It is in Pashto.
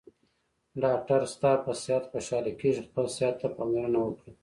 ډاکټر ستاپه صحت خوشحاله کیږي خپل صحته پاملرنه وکړه